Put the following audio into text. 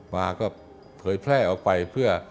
มาก็เผยแพร่ออกไปเพื่อ